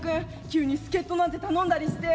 急に助っ人なんて頼んだりして。